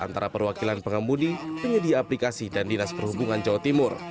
antara perwakilan pengemudi penyedia aplikasi dan dinas perhubungan jawa timur